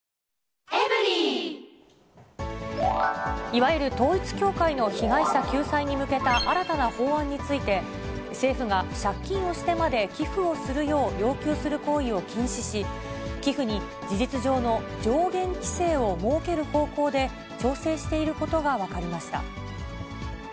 いわゆる統一教会の被害者救済に向けた新たな法案について、政府が借金をしてまで寄付をするよう要求する行為を禁止し、寄付に事実上の上限規制を設ける方向で調整していることが分かりました。